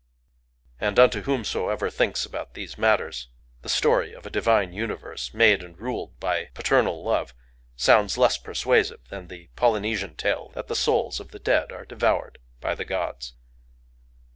And unto whomsoever thinks about these matters, the story of a divine universe, made and ruled by paternal love, sounds less persuasive than the Polynesian tale that the souls of the dead are devoured by the gods.